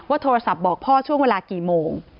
โทรศัพท์บอกพ่อช่วงเวลากี่โมง